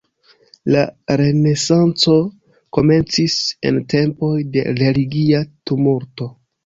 La Renesanco komencis en tempoj de religia tumulto.